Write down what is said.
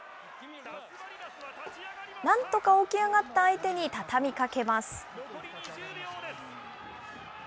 なんとか起き上がった相手にたたみかけます。